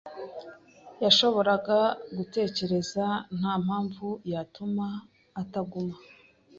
yashoboraga gutekereza ntampamvu yatuma ataguma.